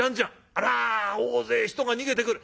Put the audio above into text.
あら大勢人が逃げてくる。